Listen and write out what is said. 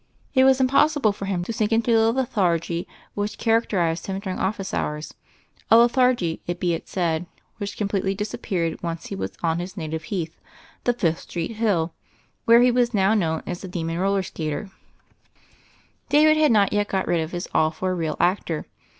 It was impossible for him to sink into the lethargy which charac terized him during office liours, a lethargy, be it said, which completely disappeared once he was on his native heath — the Fifth Street hill, where he was now known as the demon roller skater, x6i 1 62 THE FAIRY OF THE SNOWS David had not yet got rid of his awe for a real actor.